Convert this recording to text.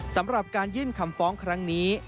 สำหรับการยื่นคำฟ้องครั้งนี้